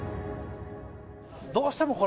どうしてもこれ、